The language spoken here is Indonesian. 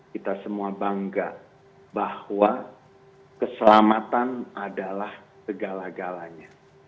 kita semua bangga bahwa keselamatan adalah segala galanya